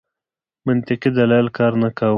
منطقي دلایل کار نه کاوه.